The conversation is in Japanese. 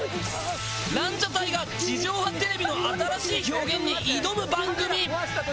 ランジャタイが地上波テレビの新しい表現に挑む番組。